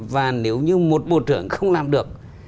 và nếu như một bộ trưởng không làm được